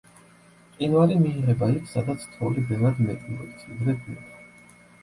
მყინვარი მიიღება იქ, სადაც თოვლი ბევრად მეტი მოდის, ვიდრე დნება.